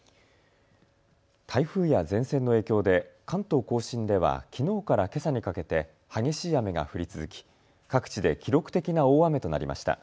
台風や前線の影響で関東甲信ではきのうからけさにかけて激しい雨が降り続き各地で記録的な大雨となりました。